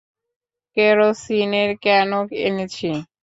কেরোসিনের ক্যানও এনেছি।